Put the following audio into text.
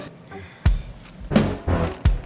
ini dia pangeran